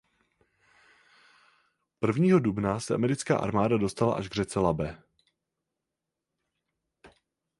Prvního dubna se americká armáda dostala až k řece Labe.